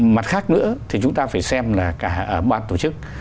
mặt khác nữa thì chúng ta phải xem là cả bác tổ chức